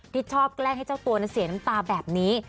ที่ชอบแกล้งให้เจ้าตัวนั้นเสียน้ำตาแบบนี้